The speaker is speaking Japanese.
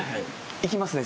行きますね？